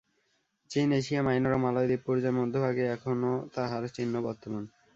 চীন, এশিয়া-মাইনর ও মালয়-দ্বীপপুঞ্জের মধ্যভাগে এখনও তাহার চিহ্ন বর্তমান।